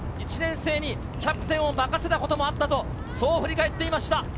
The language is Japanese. １年生にキャプテンを任せたこともあったと、そう振り返っていました。